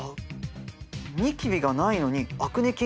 ニキビがないのにアクネ菌がいるんだ。